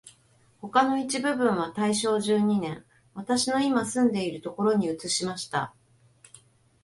他の一部分は大正十二年、私のいま住んでいるところに移しました